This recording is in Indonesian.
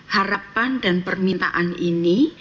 harapan dan permintaan ini